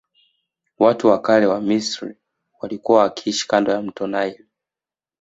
Watu wa kale wa misri walikua wakiishi kando ya mto naili